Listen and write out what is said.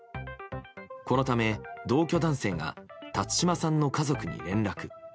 このため、同居男性が辰島さんの家族に連絡。